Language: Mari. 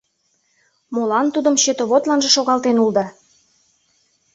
Молан тудым четоводланже шогалтен улыда?